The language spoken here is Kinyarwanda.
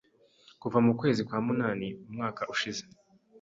kuva mu kwezi kwa munani umwaka ushize